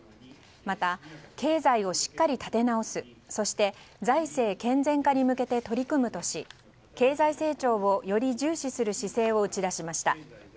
また経済をしっかり立て直すそして、財政健全化に向けて取り組むとし経済成長をより重視する姿勢を打ち出しました。